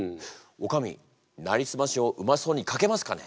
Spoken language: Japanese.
おかみ「なりすまし」をうまそうに書けますかね？